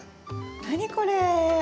何これ。